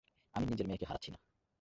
আমি নিজের মেয়েকে হারাচ্ছি না।